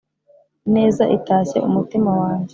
ineza itashye umutima wanjye